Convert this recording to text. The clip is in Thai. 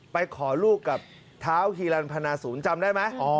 ไปขอลูกกับเท้าฮีรันพนาศูนย์จำได้ไหม